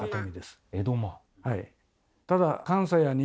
はい。